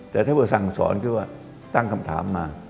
แต่ถ้าสั่งสอนก็ตั้งคำถามมา